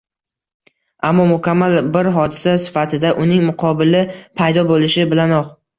Ammo mukammal bir hodisa sifatida uning muqobili paydo bo‘lishi bilanoq